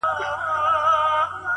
اوس و خپلو ته پردی او بېګانه دی,